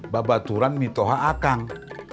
bapak turan mithoha akang